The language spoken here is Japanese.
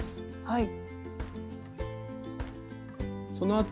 はい。